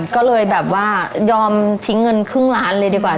ก็เลยแบบว่ายอมทิ้งเงินครึ่งล้านเลยดีกว่า